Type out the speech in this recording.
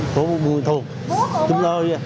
phố bùn thu chúng tôi